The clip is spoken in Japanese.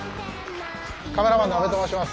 カメラマンの阿部と申します。